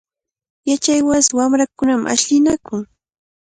Yachaywasi wamrakunami ashllinakun.